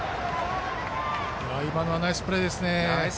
今のはナイスプレーですね。